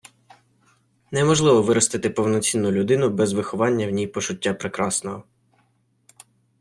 Неможливо виростити повноцінну людину без виховання в ній почуття Прекрасного.